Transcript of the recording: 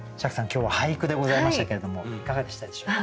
今日は俳句でございましたけれどもいかがでしたでしょうか？